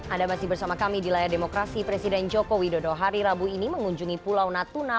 anda masih bersama kami di layar demokrasi presiden joko widodo hari rabu ini mengunjungi pulau natuna